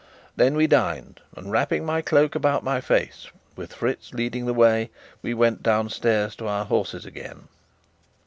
Then we dined, and, wrapping my cloak about my face, with Fritz leading the way, we went downstairs to our horses again.